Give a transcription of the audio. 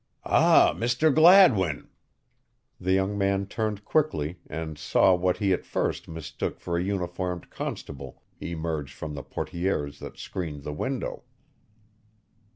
"Ah, Mr. Gladwin!" The young man turned quickly and saw what he at first mistook for a uniformed constable emerge from the portières that screened the window.